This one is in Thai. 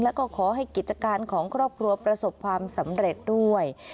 แล้วก็ขอให้กิจการของครอบครัวประสบความสำเร็จด้วย